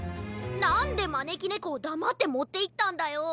なんでまねきねこをだまってもっていったんだよ。